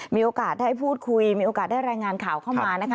มีโอกาสได้พูดคุยมีโอกาสได้รายงานข่าวเข้ามานะคะ